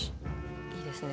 いいですね。